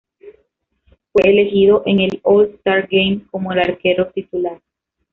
Fue elegido en el All-Star Game como el arquero titular.